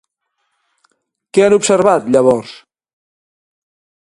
Què han observat llavors?